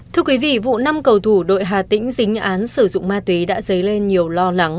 thưa quý vị vụ năm cầu thủ đội hà tĩnh dính án sử dụng ma túy đã dấy lên nhiều lo lắng